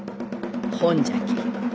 ほんじゃき